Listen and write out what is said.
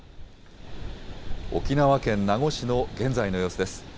沖縄県名護市の現在の様子です。